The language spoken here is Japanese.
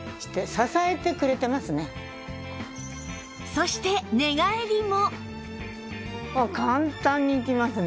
そして寝返りも